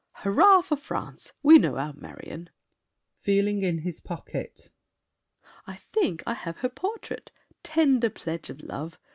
Hurrah for France! We know our Marion. [Feeling in his pocket. I think I have her portrait—tender pledge Of love!